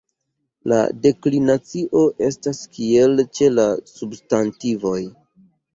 La deklinacio estas kiel ĉe la substantivoj.